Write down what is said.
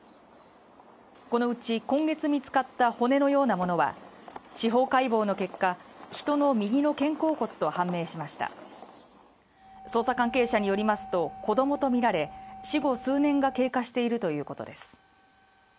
このうち今月見つかった骨のようなものは司法解剖の結果人の右の肩甲骨と判明しました捜査関係者によりますと子どもと見られ死後数年が経過しているということです